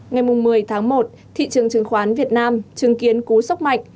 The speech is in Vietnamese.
ngày một mươi tháng một thị trường chứng khoán việt nam chứng kiến cú sốc mạnh